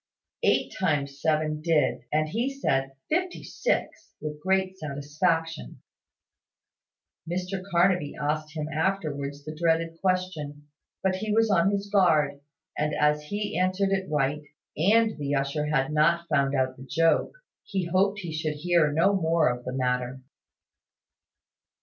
Eight times seven did, and he said "fifty six" with great satisfaction, Mr Carnaby asked him afterwards the dreaded question, but he was on his guard; and as he answered it right, and the usher had not found out the joke, he hoped he should hear no more of the matter.